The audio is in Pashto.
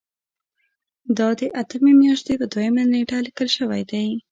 دا د اتمې میاشتې په دویمه نیټه لیکل شوی دی.